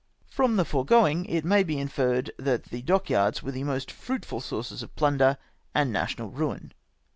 From the foregoing it may be inferred that the dockyards were the most fruitful sources of plunder and national ruin."